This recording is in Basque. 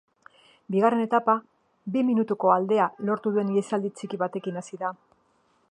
Bigarren etapa, bi minutuko aldea lortu duen ihesaldi txiki batekin hasi da.